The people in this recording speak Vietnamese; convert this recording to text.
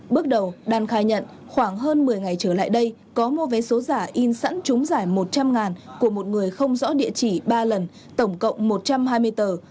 bước đầu đan khai nhận khoảng hơn một mươi ngày trở lại đây có mua vé số giả in sẵn chúng giải một trăm linh của một người không rõ địa chỉ ba lần tổng cộng một trăm hai mươi tờ